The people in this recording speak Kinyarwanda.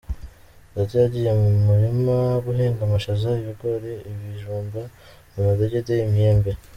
Data yagiye mu murima guhinga amashaza, ibigore, ibijumbo, amadegede, imyembe.